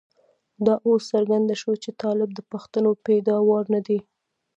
دا اوس څرګنده شوه چې طالب د پښتنو پيداوار نه دی.